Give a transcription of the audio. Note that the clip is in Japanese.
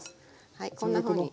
はいこんなふうに。